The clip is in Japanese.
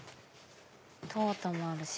トートもあるし。